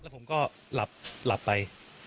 ผมก็หลับหลับไป